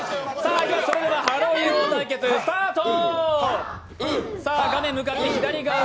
それではハローＵＦＯ対決スタート。